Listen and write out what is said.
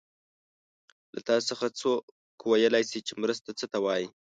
له تاسو څخه څوک ویلای شي چې مرسته څه ته وايي؟